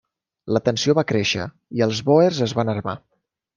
La tensió va créixer, i els bòers es van armar.